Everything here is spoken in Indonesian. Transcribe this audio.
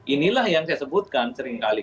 inilah yang saya sebutkan sering kali